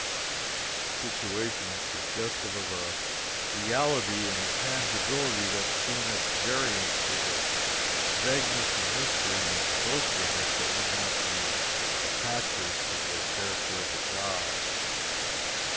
The situation is suggestive of a reality and a tangibility that seem at variance with the vagueness and mystery and ghostliness that one naturally attaches to the character of a god.